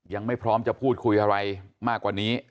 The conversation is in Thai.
ยังไม่พร้อมจะพูดคุยอะไรมากกว่านี้